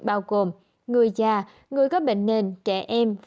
bao gồm người già người có bệnh nền trẻ em